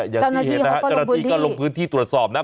อย่างน้าที่ก็ลงพื้นที่ตรวจสอบนะ